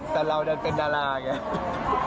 แต่เรายังเป็นดาราไง